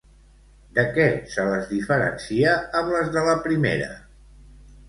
De què se les diferencia amb les de la primera?